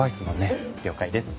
了解です。